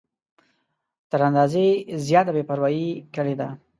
تر اندازې زیاته بې پروايي کړې ده.